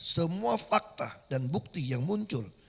semua fakta dan bukti yang muncul